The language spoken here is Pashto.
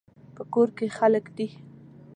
په کور کې خلک دي